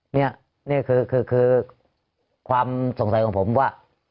นี่คือความสงสัยของผมว่า